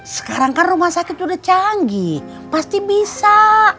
sekarang kan rumah sakit sudah canggih pasti bisa